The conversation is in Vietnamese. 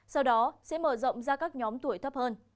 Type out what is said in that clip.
sau đó sẽ mở rộng ra các nhóm tuổi thấp hơn